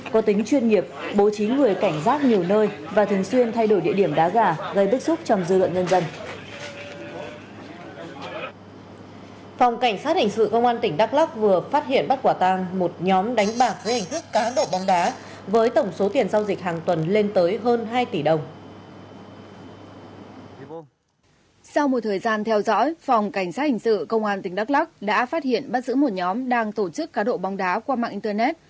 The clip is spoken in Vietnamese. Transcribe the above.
công an tỉnh đắk lắc đã phát hiện bắt giữ một nhóm đang tổ chức cá độ bóng đá qua mạng internet